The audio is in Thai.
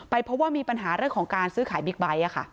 เพราะว่ามีปัญหาเรื่องของการซื้อขายบิ๊กไบท์